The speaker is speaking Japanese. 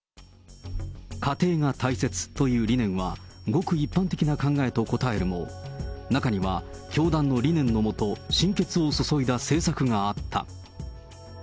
家庭が大切という理念は、ごく一般的な考えと答えるも、中には教団の理念の下、心血を注いだ政策があった。